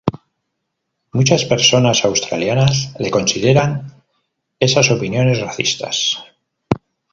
Muchas personas australianas le consideran esas opiniones racistas.